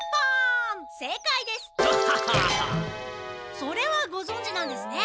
それはごぞんじなんですね。